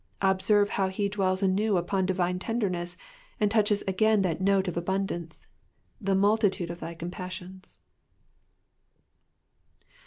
Observe how he dwells anew upon divine tenderness, and touches again that note of abun dance, The multitude of thy compassions.